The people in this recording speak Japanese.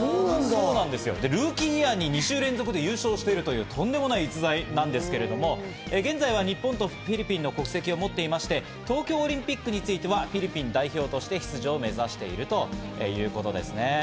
ルーキーイヤーに２週連続で優勝するというとんでもない逸材なんですけど、現在は日本とフィリピンの国籍を持っていまして、東京オリンピックについてはフィリピン代表として出場を目指しているということです。